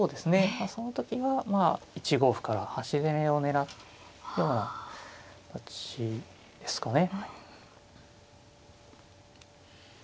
その時は１五歩から端攻めを狙うような形ですかね。